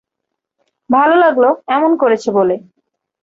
ভালো লাগলো এমন করেছ বলে।